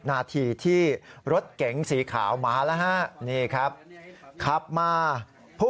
หน้าทีที่รถเก๋งสีขาวมาแล้ว